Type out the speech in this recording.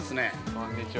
◆こんにちは。